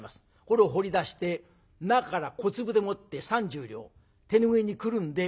これを掘り出して中から小粒でもって３０両手拭いにくるんで。